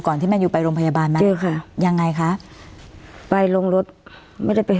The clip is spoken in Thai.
ก่อนที่แมนยูไปโรงพยาบาลไหมใช่ค่ะยังไงค่ะไปลงรถไม่ได้ไป